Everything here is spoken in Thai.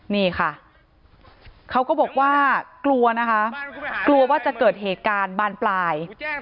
นี่ค่ะเขาก็บอกว่ากลัวนะคะกลัวว่าจะเกิดเหตุการณ์บานปลาย